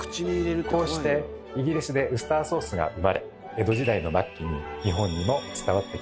こうしてイギリスでウスターソースが生まれ江戸時代の末期に日本にも伝わってきたとされています。